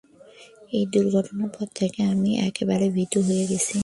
ঐ দুর্ঘটনার পর থেকে আমি একেবারে ভীতু হয়ে গেছি।